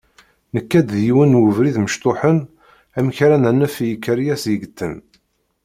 Nekka-d d yiwen webrid mecṭuḥen amek ara nanef i ikeṛyas yeggten.